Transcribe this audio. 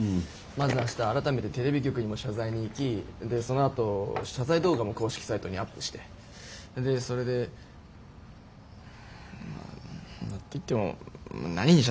まず明日改めてテレビ局にも謝罪に行きでそのあと謝罪動画も公式サイトにアップしてでそれで。っていっても何に謝罪なんだって話っすよね。